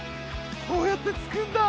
こうやってつくんだ。